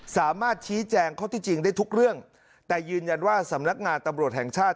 สามารถชี้แจงข้อที่จริงได้ทุกเรื่องแต่ยืนยันว่าสำนักงานตำรวจแห่งชาติ